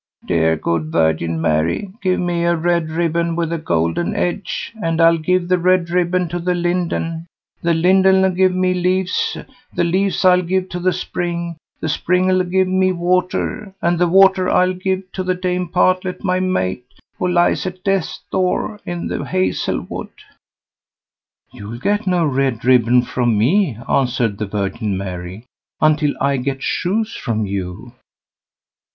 "Dear good Virgin Mary, give me a red ribbon with a golden edge, and I'll give the red ribbon to the Linden, the Linden'll give me leaves, the leaves I'll give to the Spring, the Spring'll give me water, and the water I'll give to Dame Partlet my mate, who lies at death's door, in the hazel wood." "You'll get no red ribbon from me", answered the Virgin Mary, "until I get shoes from you."